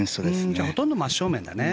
じゃあほとんど真正面だね。